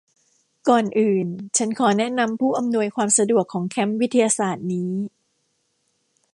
ก่อนอื่น ฉันขอแนะนำผู้อำนวยความสะดวกของแคมป์วิทยาศาสตร์นี้